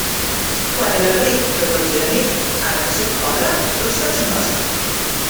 Quan era ric, de tots era amic; ara que sóc pobre, a tots faig nosa.